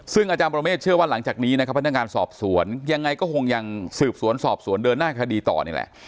ซึ่งอาจารย์ประเมฆเชื่อว่าหลังจากนี้นะครับพนักงานสอบสวนยังไงก็คงยังสืบสวนสอบสวนเดินหน้าคดีต่อนี่แหละ